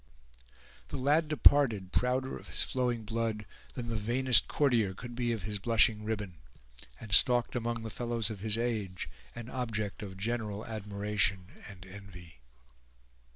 The lad departed, prouder of his flowing blood than the vainest courtier could be of his blushing ribbon; and stalked among the fellows of his age, an object of general admiration and envy.